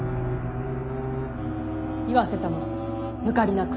岩瀬様抜かりなく。